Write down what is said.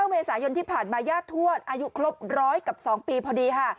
เมษายนที่ผ่านมาญาติทวดอายุครบ๑๐๐กับ๒ปีพอดีค่ะ